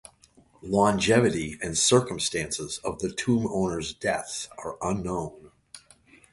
Longevity and circumstances of the tomb owners' deaths are unknown.